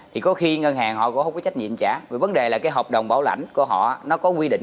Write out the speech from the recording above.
thì có khi ngân hàng họ có có trách nhiệm trả vấn đề là cái hợp đồng bảo lãnh của họ nó có quy định